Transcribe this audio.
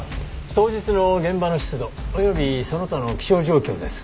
当日の現場の湿度およびその他の気象状況です。